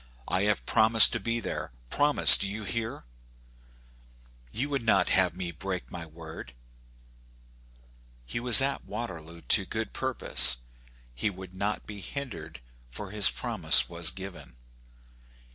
" I have promised to be there — promised^ do you hear? You would not have me break my word. He was at Waterloo to good purpose: he would not be hindered, for his promise was given.